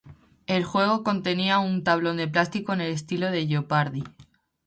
El juego contenía un tablón de plástico en el estilo de "Jeopardy!